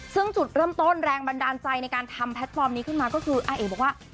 ซึ่งจุดเริ่มต้นแรงบันดาลใจในการทำแพลตฟอร์มนี้ขึ้นมาก็คืออาเอกบอกว่า